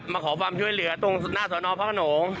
มาขอความช่วยเหลือตรงหน้าสอนอพระขนง